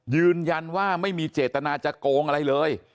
ยืนยันว่าไม่มีเจตนาจะโกงอะไรเลย